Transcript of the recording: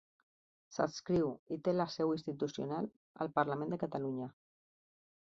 S'adscriu, i té la seu institucional, al Parlament de Catalunya.